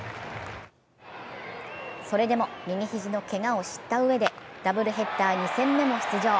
それでも右肘のけがを知ったうえでダブルヘッダー２戦目も出場。